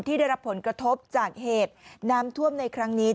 ได้รับผลกระทบจากเหตุน้ำท่วมในครั้งนี้